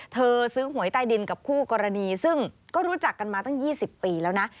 เธอซื้อหวยใต้ดินกับคู่กรณีซึ่งก็รู้จักกันมาตั้ง๒๐ปีแล้วนะ